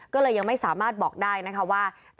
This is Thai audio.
ก็เลยยังไม่สามารถบอกได้นะคะว่า